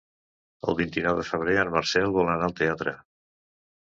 El vint-i-nou de febrer en Marcel vol anar al teatre.